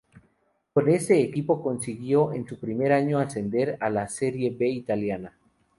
Con este equipo consiguió en su primer año ascender a la Serie B italiana.